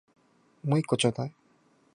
もう一個ちょうだい